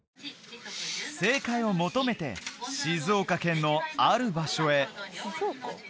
正解を求めて静岡県のある場所へ